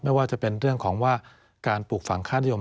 ไม่ว่าจะเป็นเรื่องของว่าการปลูกฝั่งค่านิยม